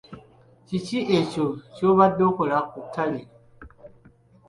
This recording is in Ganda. Kiki ekyo ky'obadde okola ku ttale?